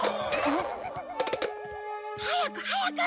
ん？早く早く！